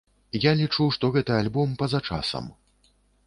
Я лічу, што гэты альбом па-за часам.